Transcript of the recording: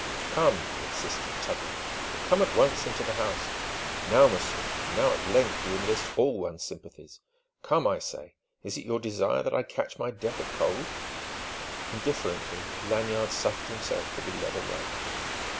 "Come!" he insisted, tugging "but come at once into the house. Now, monsieur now at length you enlist all one's sympathies! Come, I say! Is it your desire that I catch my death of cold?" Indifferently Lanyard suffered himself to be led away.